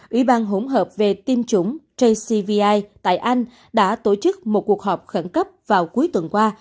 ủy ban hỗn hợp về tiêm chủng jcvi tại anh đã tổ chức một cuộc họp khẩn cấp vào cuối tuần qua